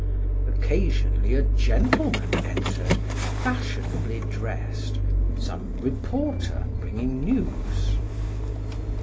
Occasionally a gentleman entered, fashionably dressed, some reporter bringing news.